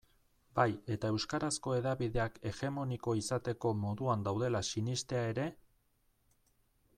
Bai eta euskarazko hedabideak hegemoniko izateko moduan daudela sinestea ere?